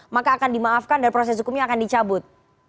maka akan dimaafkan dan proses hukumnya akan dicabut